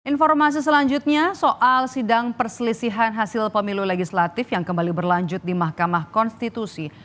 informasi selanjutnya soal sidang perselisihan hasil pemilu legislatif yang kembali berlanjut di mahkamah konstitusi